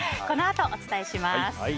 このあとお伝えします。